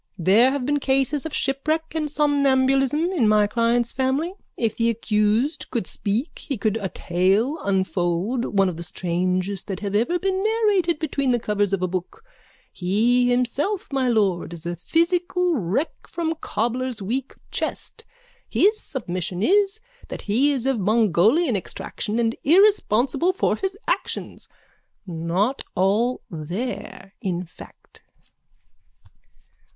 There have been cases of shipwreck and somnambulism in my client's family. If the accused could speak he could a tale unfold—one of the strangest that have ever been narrated between the covers of a book. He himself, my lord, is a physical wreck from cobbler's weak chest. His submission is that he is of Mongolian extraction and irresponsible for his actions. Not all there, in fact.